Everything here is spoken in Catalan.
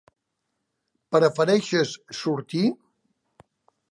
Prefereixes sortir?